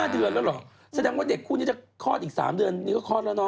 เดือนแล้วเหรอแสดงว่าเด็กคู่นี้จะคลอดอีก๓เดือนนี้ก็คลอดแล้วเน